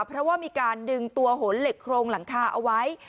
เพราะว่ามีการดึงตัวหนเหล็กโครงหลังคาเอาไว้